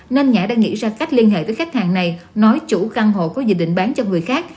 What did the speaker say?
nên nhã đã nghĩ ra cách liên hệ với khách hàng này nói chủ căn hộ có dự định bán cho người khác